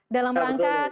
dalam langkah langkah ini